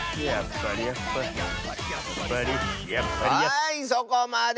はいそこまで！